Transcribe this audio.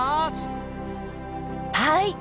はい。